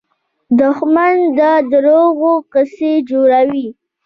دښمن د دروغو قصې جوړوي